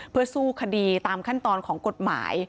เพื่อสู้คดีตามขั้นตอนของกฎหมาย